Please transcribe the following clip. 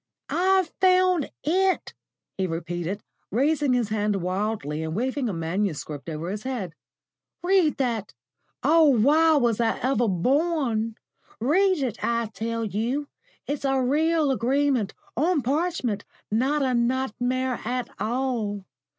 "I've found IT," he repeated, raising his hand wildly and waving a manuscript over his head. "Read that Oh, why was I ever born? Read it, I tell you. It's a real agreement, on parchment, not a nightmare at all.